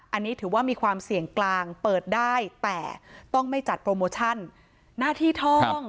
อันนี้ถือว่ามีความเสี่ยงกลางเปิดได้แต่ต้องไม่จัดโปรโมชั่นหน้าที่ท่อง